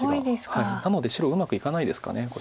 なので白うまくいかないですかこれ。